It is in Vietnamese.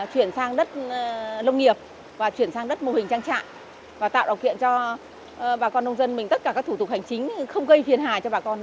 chuyển sang đất nông nghiệp và chuyển sang đất mô hình trang trại và tạo động kiện cho bà con nông dân mình tất cả các thủ tục hành chính không gây phiền hà cho bà con